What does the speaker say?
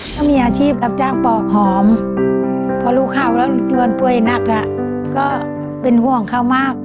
ก็มีอาชีพรับจ้างปอกหอมพอรู้ข่าวแล้วลวนป่วยหนักก็เป็นห่วงเขามาก